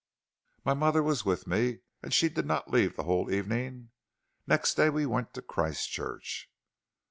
My mother was with me, and she did not leave the whole evening. Next day we went to Christchurch."